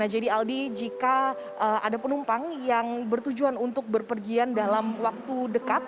jadi aldi jika ada penumpang yang bertujuan untuk berpergian dalam waktu dekat